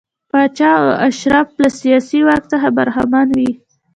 پاچا او اشراف له سیاسي واک څخه برخمن وي.